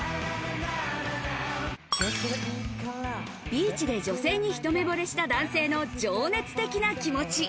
ビーチで女性に一目ぼれした男性の情熱的な気持ち。